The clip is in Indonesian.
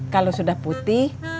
kalau sudah putih